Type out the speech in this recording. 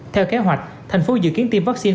theo kế hoạch thành phố dự kiến tiêm vaccine